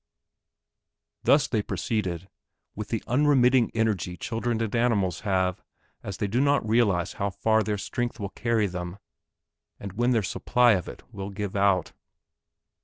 Thus they proceeded with the unremitting energy children and animals have as they do not realize how far their strength will carry them, and when their supply of it will give out.